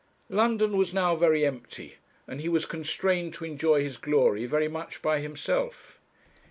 London was now very empty, and he was constrained to enjoy his glory very much by himself.